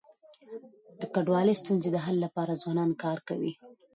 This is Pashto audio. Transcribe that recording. د کډوالی ستونزي د حل لپاره ځوانان کار کوي.